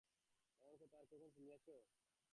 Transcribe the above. এমন আর কখন শুনিয়াছ?